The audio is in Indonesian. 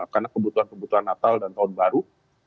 karena kebutuhan kebutuhan natal dan tahun baru